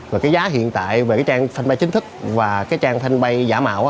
và cái giá hiện tại về cái trang fanpage chính thức và cái trang fanpage giả mạo